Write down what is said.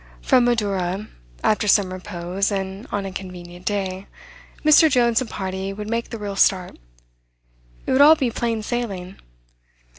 From Madura, after some repose and on a convenient day, Mr. Jones and party would make the real start. It would all be plain sailing.